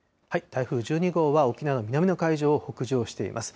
台風１２号は沖縄の南の海上を北上しています。